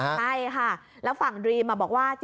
ใช่ค่ะแล้วฝั่งดรีมบอกว่า